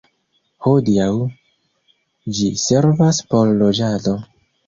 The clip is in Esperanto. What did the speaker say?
Hodiaŭ ĝi servas por loĝado.